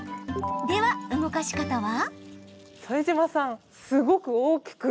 では、動かし方は？